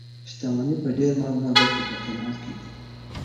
شتمني په ډېر مال نه بلکې په قناعت کې ده.